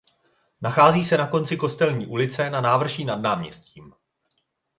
Nachází se na konci Kostelní ulice na návrší nad náměstím.